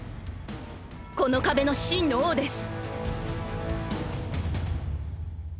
この壁の真の王です。